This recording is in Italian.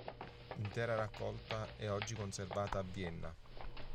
L'intera raccolta è oggi conservata a Vienna.